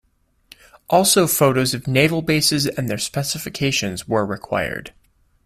Also photos of naval bases and their specifications were required.